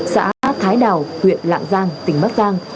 xã thái đào huyện lạng giang tỉnh bắc giang